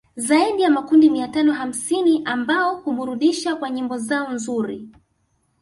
Zaidi ya makundi mia tano hamsini ambao huburudisha kwa nyimbo zao nzuri